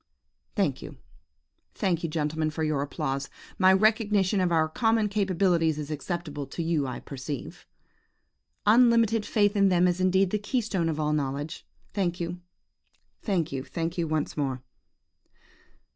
..... "Thank you, thank you, gentlemen, for your applause! My recognition of our common capabilities is acceptable to you I perceive. Unlimited faith in them is indeed the keystone of all knowledge. ... Thank you, thank you, once more!"